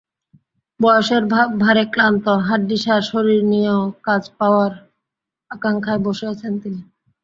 বয়সের ভারে ক্লান্ত, হাড্ডিসার শরীর নিয়েও কাজ পাওয়ার অপেক্ষায় বসে আছেন তিনি।